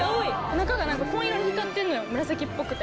中が紺色に光ってんのよ紫っぽくて。